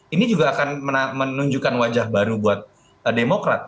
ini juga akan menunjukkan wajah baru buat demokrat